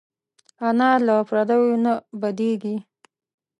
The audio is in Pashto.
انا له پردیو نه بدېږي